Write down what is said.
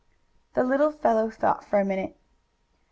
The little fellow thought for a minute.